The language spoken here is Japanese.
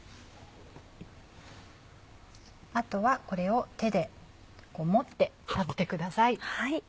あとはこれを手で持って食べてください。